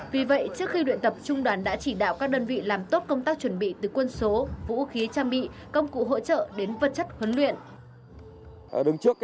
vì vậy trước khi luyện tập trung đoàn đã chỉ đạo các đơn vị làm tốt công tác chuẩn bị từ quân số vũ khí trang bị công cụ hỗ trợ đến vật chất huấn luyện